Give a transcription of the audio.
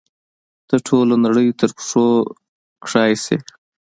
ته ټوله نړۍ تر پښو کښی شي